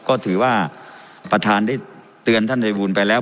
ก็ถือว่าประธานได้เตือนท่านภัยบูลไปแล้ว